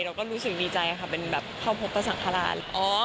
เราก็รู้สึกดีใจค่ะเป็นแบบเข้าพบประสังฆราช